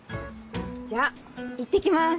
じゃあいってきます！